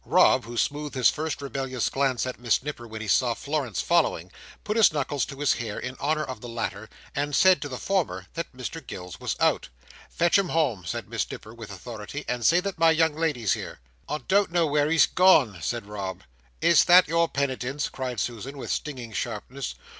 Rob, who smoothed his first rebellious glance at Miss Nipper when he saw Florence following, put his knuckles to his hair, in honour of the latter, and said to the former, that Mr Gills was out." "Fetch him home," said Miss Nipper, with authority, "and say that my young lady's here." "I don't know where he's gone," said Rob. "Is that your penitence?" cried Susan, with stinging sharpness.